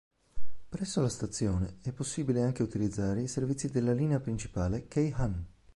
Presso la stazione è possibile anche utilizzare i servizi della linea principale Keihan.